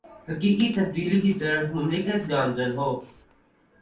حقیقی تبدیلی کی طرف مملکت گامزن ہو